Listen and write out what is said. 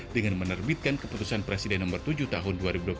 dengan menerbitkan keputusan presiden nomor tujuh tahun dua ribu dua puluh